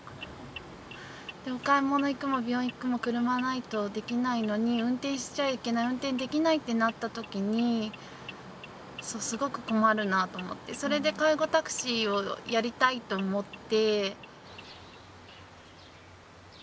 でお買い物行くも病院行くも車ないとできないのに運転しちゃいけない運転できないってなった時にすごく困るなと思ってそれで介護タクシーをやりたいと思って。